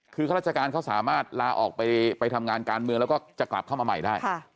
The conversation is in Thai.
คือข้าราชการเขาสามารถลาออกไปทำงานการเมืองแล้วก็จะกลับเข้ามาใหม่ได้